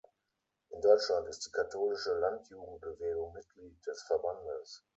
In Deutschland ist die Katholische Landjugendbewegung Mitglied des Verbandes.